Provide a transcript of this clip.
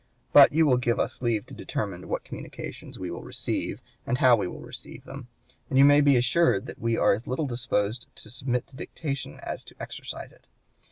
But you will give us leave to determine what communications we will receive, and how we will receive them; and you may be assured we are as little disposed to submit to dictation as to exercise it.'